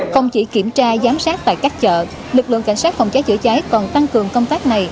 không chỉ kiểm tra giám sát tại các chợ lực lượng cảnh sát phòng cháy chữa cháy còn tăng cường công tác này